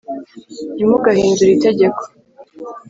nti mugahindure itegeko